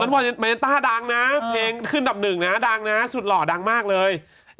เพราะฉะนั้นว่าเมนต้าดังนะเพลงขึ้นดับหนึ่งนะดังนะสุดหล่อดังมากเลย